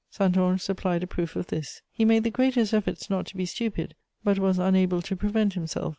Saint Ange supplied a proof of this; he made the greatest efforts not to be stupid, but was unable to prevent himself.